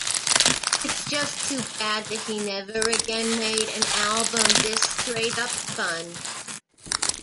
It's just too bad that he never again made an album this straight-up fun.